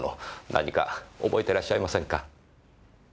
何か覚えてらっしゃいませんか？